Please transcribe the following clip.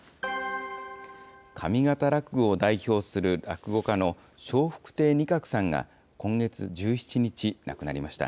上方落語を代表する落語家の笑福亭仁鶴さんが、今月１７日、亡くなりました。